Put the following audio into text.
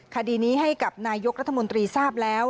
คดีนี้ให้กับนายกรัฐมนตรีทราบแล้ว